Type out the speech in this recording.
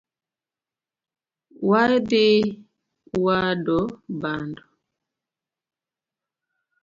Wadhi wado bando.